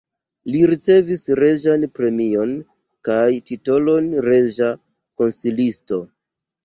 Li ricevis reĝan premion kaj titolon reĝa konsilisto.